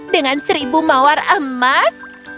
dengan seribu mawar emas